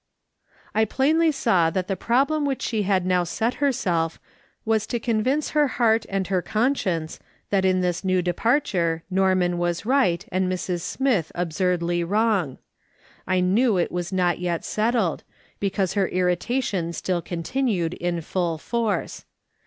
I plainly saw that the problem which she had now set herself was to convince her heart and her conscience that in this new departure Norman was right and Mrs. Smith absurdly wrong. I knew it was not yet settled, because her irritation still con tinued in full force.